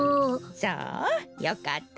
そうよかったわ。